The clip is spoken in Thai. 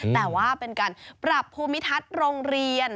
แต่ว่าเป็นการปรับภูมิทัศน์โรงเรียน